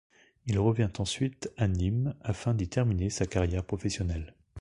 Il revient ensuite à Nîmes afin d'y terminer sa carrière professionnelle.